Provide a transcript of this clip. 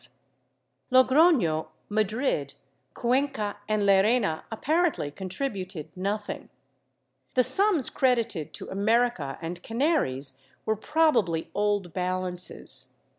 17 Logroiio, Madrid, Cuenca and Llerena apparently contributed nothing. The sums credited to America and Canaries were probably old balances.